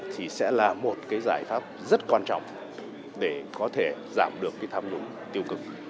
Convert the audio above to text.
thì sẽ là một giải pháp rất quan trọng để có thể giảm được tham nhũng tiêu cực